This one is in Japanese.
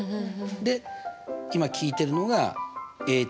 で今聞いてるのが：